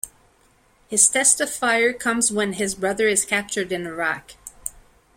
His test of fire comes when his brother is captured in Iraq.